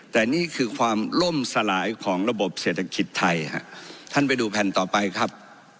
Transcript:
แต่นี่คือความล่มสลายของระบบเศรษฐกิจไทยฮะท่านไปดูแผ่นต่อไปครับ